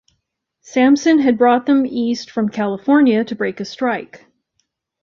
Sampson had brought them east from California to break a strike.